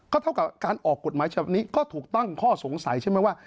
เท่ากับการออกกฎหมายฉบับนี้ก็ถูกตั้งข้อสงสัยใช่ไหมว่า